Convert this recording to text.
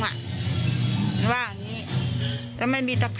มันว่าอย่างนี้